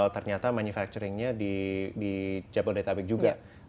ternyata manufacturing nya di jabel data big juga